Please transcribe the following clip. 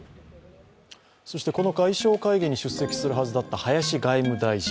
この外相会議に出席するはずだった林外務大臣。